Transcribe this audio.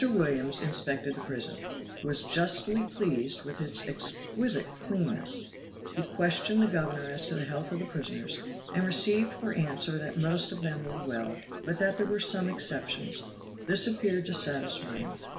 Williams inspected the prison; was justly pleased with its exquisite cleanness; he questioned the governor as to the health of the prisoners, and received for answer that most of them were well, but that there were some exceptions; this appeared to satisfy him.